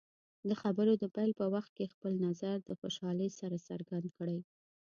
د خبرو د پیل په وخت کې خپل نظر د خوشحالۍ سره څرګند کړئ.